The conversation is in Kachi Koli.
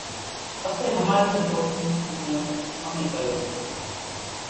پسي ۿماۮيئين پوڳين اُوڃان ۿمي ڪري سي